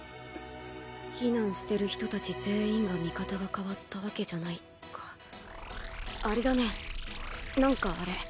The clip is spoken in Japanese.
避難してる人達全員が見方が変わったわけじゃないかあれだねなんかあれ。